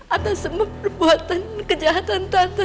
atas semua perbuatan kejahatan tertentu